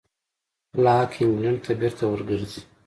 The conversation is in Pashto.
لاک انګلېنډ ته بېرته وګرځېد.